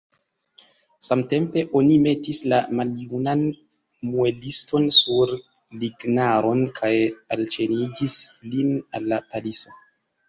Samtempe oni metis la maljunan mueliston sur lignaron kaj alĉenigis lin al la paliso.